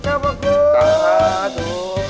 จัดมาดู